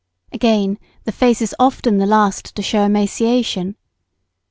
Again, the face is often the last to shew emaciation.